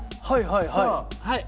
はいはいはい。